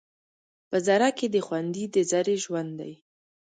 په ذره کې دې خوندي د ذرې ژوند دی